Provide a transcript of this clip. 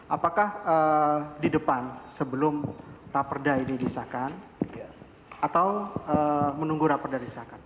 apakah di depan sebelum raperda ini disahkan atau menunggu raperda disahkan